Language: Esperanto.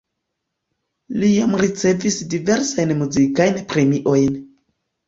Li jam ricevis diversajn muzikajn premiojn.